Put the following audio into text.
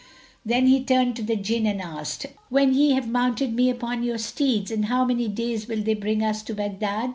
Then he turned to the Jinn and asked, "When ye have mounted me upon your steeds, in how many days will they bring us to Baghdad?"